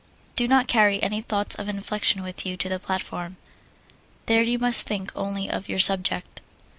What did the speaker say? Do not carry any thoughts of inflection with you to the platform. There you must think only of your subject.